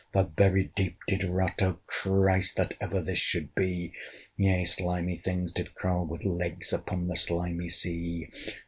The very deep did rot: O Christ! That ever this should be! Yea, slimy things did crawl with legs Upon the slimy sea.